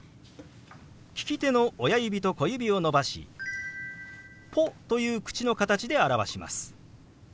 利き手の親指と小指を伸ばし「ポ」という口の形で表します。